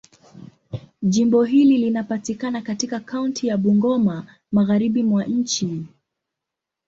Jimbo hili linapatikana katika kaunti ya Bungoma, Magharibi mwa nchi.